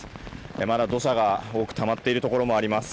まだ土砂が多くたまっているところもあります。